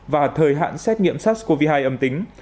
và thời hạn xét nghiệm sars cov hai âm tính